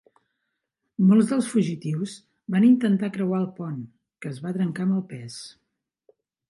Molts dels fugitius van intentar creuar el pont, que es va trencar amb el pes.